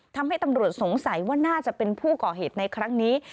ทำให้ตำรวจสงสัยว่าน่าจะเป็นผู้ก่อเหตุในครั้งนี้